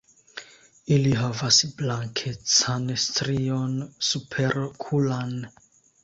Ili havas blankecan strion superokulan.